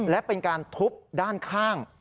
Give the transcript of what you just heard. และเป็นการทุบด้านข้าง